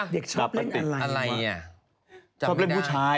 เด็กชอบเล่นอะไรมะ